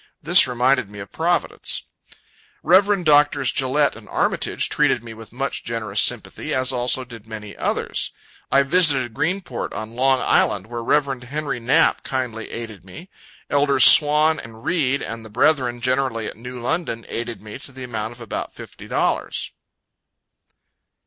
This reminded me of Providence. Rev. Drs. Gillette and Armitage treated me with much generous sympathy, as also did many others. I visited Greenport on Long Island, where Rev. Henry Knapp kindly aided me. Elders Swan and Read, and the brethren generally at New London, aided me to the amount of about fifty dollars.